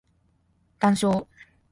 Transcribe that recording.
談笑